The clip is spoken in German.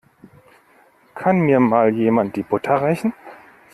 Kann mir Mal jemand die Butter reichen?